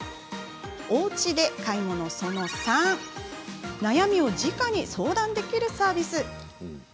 おうちｄｅ買い物その３悩みをじかに相談できるサービス。